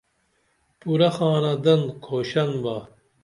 پورہ خاندن کھوشن بُن